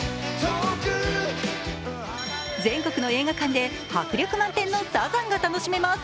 全国の映画館で迫力満点のサザンが楽しめます。